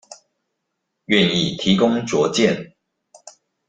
願意提供卓見